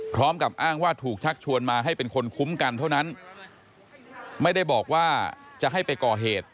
พร้อมกับอ้างว่าถูกชักชวนมาให้เป็นคนคุ้มกันเท่านั้นไม่ได้บอกว่าจะให้ไปก่อเหตุ